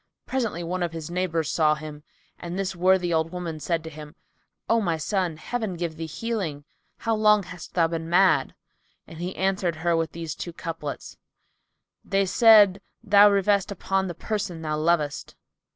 Presently, one of his neighbours saw him, and this worthy old woman said to him, "O my son, Heaven give thee healing! How long hast thou been mad?" And he answered her with these two couplets,[FN#292] "They said, Thou revest upon the person thou lovest.